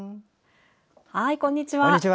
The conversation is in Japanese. こんにちは。